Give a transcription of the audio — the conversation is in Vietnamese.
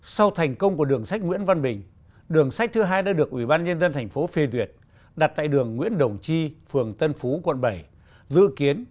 sau thành công của đường sách nguyễn văn bình đường sách thứ hai đã được ủy ban nhân dân tp hcm phê duyệt đặt tại đường nguyễn đồng chi phường tân phú quận bảy